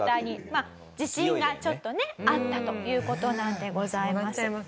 まあ自信がちょっとねあったという事なんでございます。